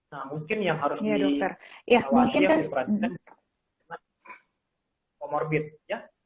nah mungkin yang harus diawasi adalah komorbid ya